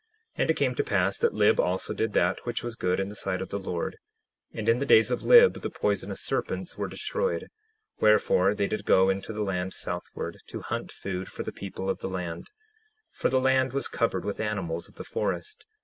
10:19 And it came to pass that Lib also did that which was good in the sight of the Lord. And in the days of Lib the poisonous serpents were destroyed. Wherefore they did go into the land southward, to hunt food for the people of the land, for the land was covered with animals of the forest.